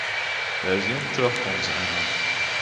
Der is gjin trochkommensein oan.